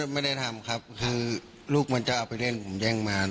ไม่ได้ทำครับคือลูกมันจะเอาไปเล่นผมแย่งมาร